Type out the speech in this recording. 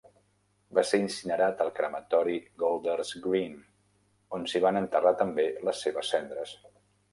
Va ser incinerat al crematori Golders Green, on s'hi van enterrar també les seves cendres.